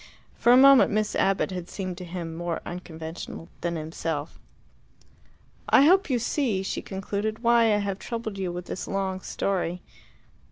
For a moment Miss Abbott had seemed to him more unconventional than himself. "I hope you see," she concluded, "why I have troubled you with this long story.